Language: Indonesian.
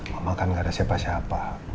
mama kan gak ada siapa siapa